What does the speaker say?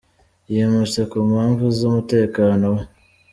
yimutse ku mpamvu z’umutekano we